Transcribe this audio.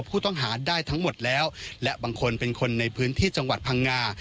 ผู้ต้องหาได้ทั้งหมดแล้วและบางคนเป็นคนในพื้นที่จังหวัดพังงา